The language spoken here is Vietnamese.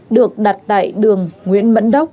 được đặt tại đường nguyễn mẫn đốc